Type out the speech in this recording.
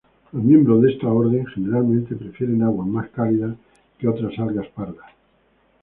Los miembros de este orden generalmente prefieren aguas más cálidas que otras algas pardas.